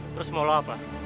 terus mau lo apa